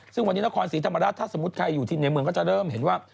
ซึ่งวันนี้นครศรีธรรมราชถ้าสมมุติใครอยู่ที่ในเมืองก็จะเริ่มเห็นว่า